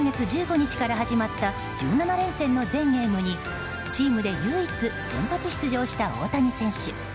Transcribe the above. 日本時間の先月１５日から始まった１７連戦の全ゲームにチームで唯一先発出場した大谷選手。